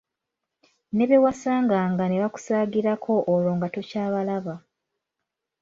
Ne be wasanganga ne bakusaagirako olwo nga tokyabalaba.